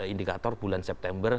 indikator bulan september